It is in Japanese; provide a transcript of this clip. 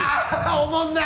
おもんない！